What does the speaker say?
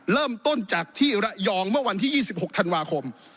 เริ่มต้นจากที่ระยองเมื่อวันที่๒๖ธันวาคม